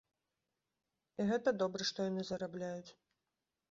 І гэта добра, што яны зарабляюць.